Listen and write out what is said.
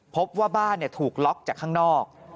พบว่าบ้านถูกล็อกจากข้างนอก